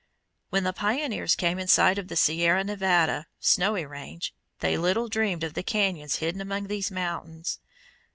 When the pioneers came in sight of the Sierra Nevada (snowy range), they little dreamed of the cañons hidden among these mountains.